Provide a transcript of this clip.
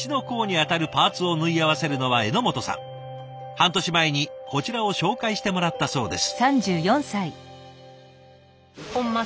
半年前にこちらを紹介してもらったそうです。